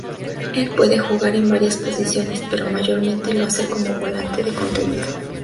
Él puede jugar en varias posiciones, pero mayormente lo hace como volante de contención.